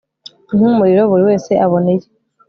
nk'umuriro, buri wese abona iye